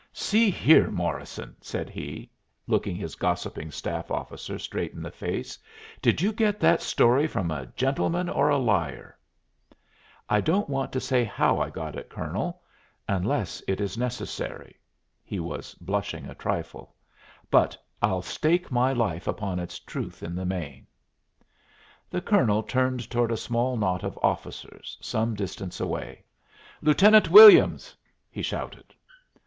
"See here, Morrison," said he, looking his gossiping staff officer straight in the face, "did you get that story from a gentleman or a liar?" "I don't want to say how I got it, Colonel, unless it is necessary" he was blushing a trifle "but I'll stake my life upon its truth in the main." The colonel turned toward a small knot of officers some distance away. "Lieutenant Williams!" he shouted.